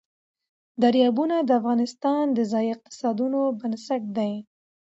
دریابونه د افغانستان د ځایي اقتصادونو بنسټ دی.